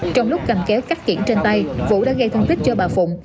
trong lúc cầm kéo cách kiển trên tay vũ đã gây thông tích cho bà phụng